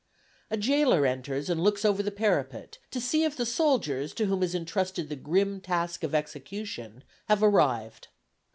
A gaoler enters and looks over the parapet to see if the soldiers to whom is entrusted the grim task of execution have arrived.